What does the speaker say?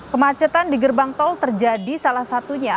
kemacetan di gerbang tol terjadi salah satunya